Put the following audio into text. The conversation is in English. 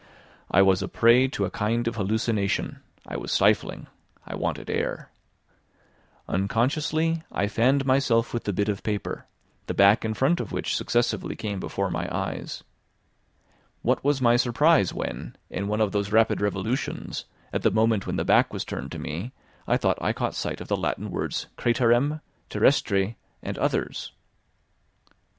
I was a prey to a kind of hallucination; I was stifling; I wanted air. Unconsciously I fanned myself with the bit of paper, the back and front of which successively came before my eyes. What was my surprise when, in one of those rapid revolutions, at the moment when the back was turned to me I thought I caught sight of the Latin words "craterem," "terrestre," and others.